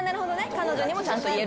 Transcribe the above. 彼女にもちゃんと言えるし。